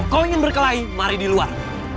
kau yang berkelahi mari di luar